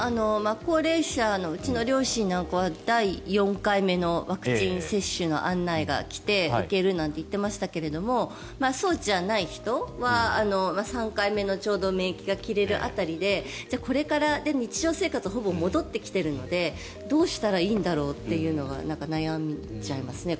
高齢者のうちの両親なんかは第４回目のワクチン接種の案内が来て受けるなんて言っていましたけどそうじゃない人は、３回目のちょうど免疫が切れる辺りでこれから、日常生活がほぼ戻ってきているのでどうしたらいいんだろうっていうのが悩んじゃいますね